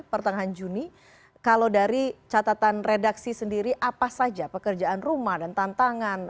pertengahan juni kalau dari catatan redaksi sendiri apa saja pekerjaan rumah dan tantangan